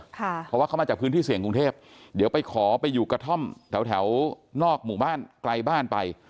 เพราะว่าเขามาจากพื้นที่เสี่ยงกรุงเทพเดี๋ยวไปขอไปอยู่กระท่อมแถวนอกหมู่บ้านไกลบ้านไป